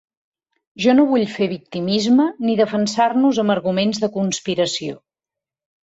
Jo no vull fer victimisme ni defensar-nos amb arguments de conspiració.